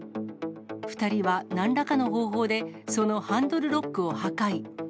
２人はなんらかの方法でそのハンドルロックを破壊。